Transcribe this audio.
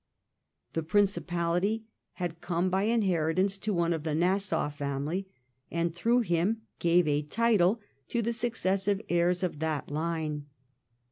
The principality had come by inheritance to one of the Nassau family, and through him gave a title to the successive heirs of that line.